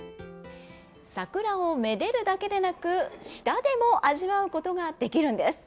桜をめでるだけでなく舌でも味わうことができるんです。